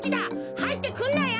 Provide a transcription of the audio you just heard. はいってくんなよ！